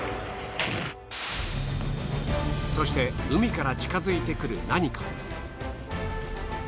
そして海から近づいてくる何か。